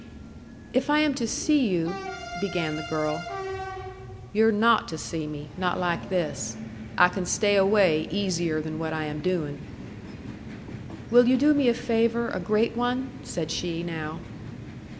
"If I am to see you " began the girl. "You're not to see me. Not like this. I can stay away easier than what I am doin'." "Will you do me a favor, a great one?" said she, now.